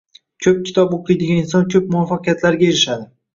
Ko‘p kitob o‘qiydigan inson ko‘p muvaffaqiyatlarga erishadi.